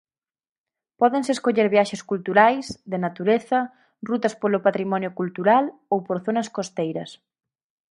Pódense escoller viaxes culturais, de natureza, rutas polo patrimonio cultural ou por zonas costeiras.